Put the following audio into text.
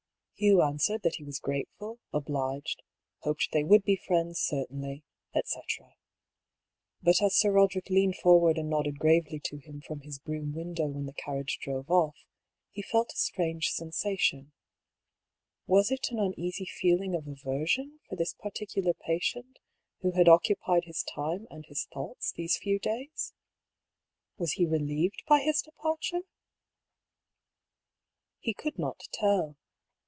Hugh answered that he was grateful, obliged — hoped they would be friends, certainly, etcetera. But as Sir Boderick leaned forward and nodded gravely to him from his brougham window when the carriage drove off, he felt a strange sensation — was it an uneasy feeling of aversion for this peculiar patient who had occupied his time and his thoughts these few days ? Was he relieved by his departure? He could not tell.